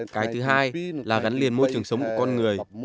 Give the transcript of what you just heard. cái thứ hai là gắn liền môi trường sống của con người